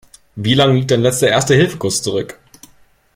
Wie lang liegt dein letzter Erste-Hilfe-Kurs zurück?